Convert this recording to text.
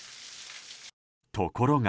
ところが。